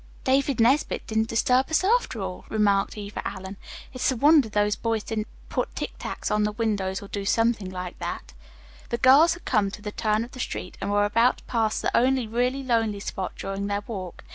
"David Nesbit didn't disturb us, after all," remarked Eva Allen. "It's a wonder those boys didn't put tick tacks on the windows or do something like that." The girls had come to the turn of the street, and were about to pass the only really lonely spot during their walk.